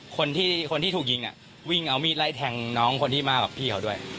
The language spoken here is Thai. คนที่คนที่ถูกยิงวิ่งเอามีดไล่แทงน้องคนที่มากับพี่เขาด้วย